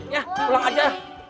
ya pulang aja